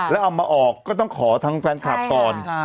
แล้วเอามาออกก็ต้องขอทางแฟนคลับก่อน